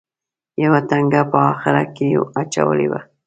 یوه ټونګه په اخره کې اچولې وه.